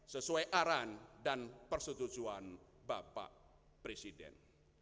sesuai arahan dan persetujuan bapak presiden